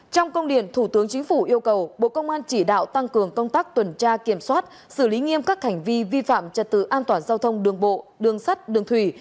trong công điện thủ tướng chính phủ yêu cầu bộ công an chỉ đạo tăng cường công tác tuần tra kiểm soát xử lý nghiêm các hành vi vi phạm trật tự an toàn giao thông đường bộ đường sắt đường thủy